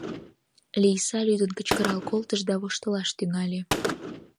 Лийса лӱдын кычкырал колтыш да воштылаш тӱҥале: